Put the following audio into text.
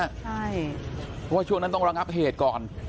เพราะว่าช่วงนั้นต้องระงับเหตุก่อน